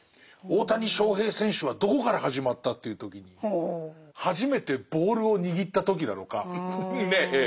大谷翔平選手はどこから始まったっていう時に初めてボールを握った時なのかねえ